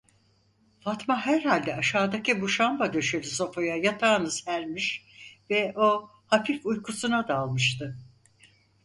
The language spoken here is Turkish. Fatma herhalde aşağıdaki muşamba döşeli sofaya yatağını sermiş ve o hafif uykusuna dalmıştı.